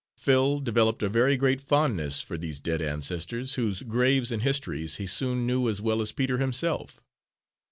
Phil developed a very great fondness for these dead ancestors, whose graves and histories he soon knew as well as Peter himself.